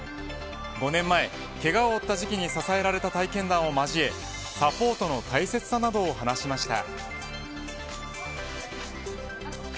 ５年前、けがを負った時期に支えられた体験談を交えサポートの大切さなどを話しました。